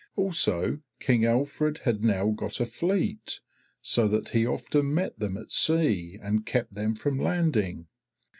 Also King Alfred had now got a fleet, so that he often met them at sea and kept them from landing.